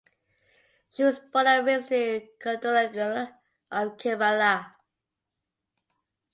She was born and raised in Kodungallur of Kerala.